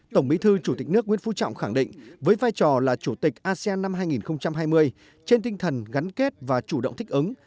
tổng bí thư chủ tịch nước nguyễn phú trọng khẳng định với vai trò là chủ tịch asean năm hai nghìn hai mươi trên tinh thần gắn kết và chủ động thích ứng